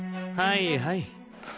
はいはい。